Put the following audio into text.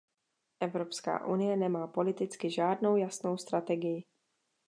Evropská unie nemá politicky žádnou jasnou strategii.